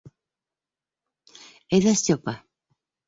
Әйҙә, Степа.